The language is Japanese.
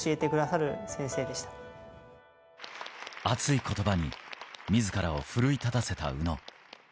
熱い言葉に自らを奮い立たせた宇野。